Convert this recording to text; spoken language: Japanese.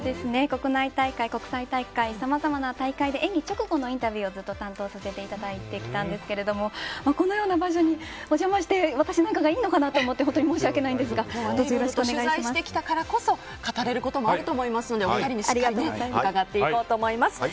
国内大会、国際大会さまざまな大会で演技直後のインタビューをずっと担当させていただいてきたんですけども私なんかがこのような場所にお邪魔していいのかなと本当に申し訳ないんですが取材してきたからこそ語れることもあると思いますのでお二人にしっかり伺っていこうと思います。